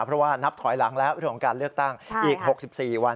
เพราะว่านับถอยหลังแล้วเรื่องของการเลือกตั้งอีก๖๔วัน